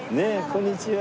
こんにちは。